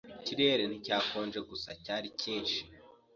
Ikirere nticyakonje gusa, cyari cyinshi.